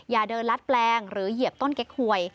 อย่าเดินลัดแปลงหรือเหยียบต้นเก๊กหวย